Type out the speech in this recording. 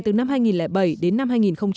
từ năm hai nghìn bảy đến năm hai nghìn một mươi